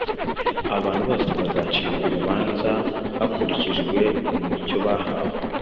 Abantu bose bazacirwa urubanza hakurikijwe umucyo bahawe